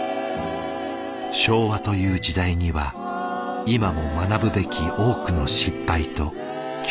昭和という時代には今も学ぶべき多くの失敗と教訓がある。